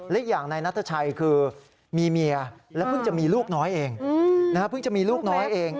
อีกอย่างนายนัทชัยคือมีเมียและเพิ่งจะมีลูกน้อยเองเพิ่งจะมีลูกน้อยเอง